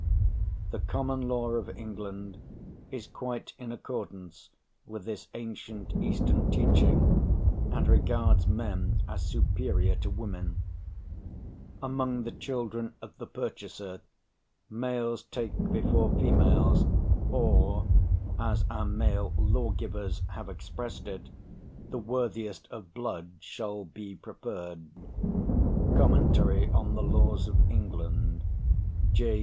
The common law of England is quite in accordance with this ancient Eastern teaching, and regards men as superior to women; "Among the children of the purchaser, males take before females, or, as our male lawgivers, have expressed it, the worthiest of blood shall be preferred" ("Comm, on the Laws of England," J.